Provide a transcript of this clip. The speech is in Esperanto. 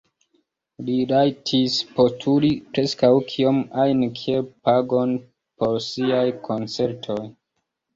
Li rajtis postuli preskaŭ kiom ajn kiel pagon por siaj koncertoj.